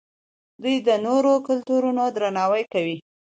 دوی د نورو کلتورونو درناوی کوي.